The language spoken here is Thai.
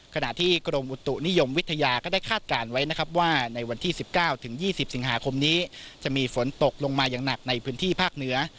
ขณะที่กรมอุตุนิยมวิทยาก็ได้คาดการณ์ไว้นะครับว่าในวันที่๑๙๒๐สิงหาคมนี้จะมีฝนตกลงมาอย่างหนักในพื้นที่ภาคเหนือ